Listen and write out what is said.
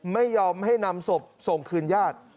ไม่ยอมให้นำศพส่งคืนญาติ